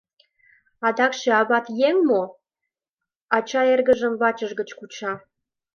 Адакше ават еҥ мо? — ача эргыжым вачыж гыч куча.